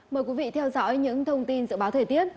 mời quý vị theo dõi những thông tin dự báo thời tiết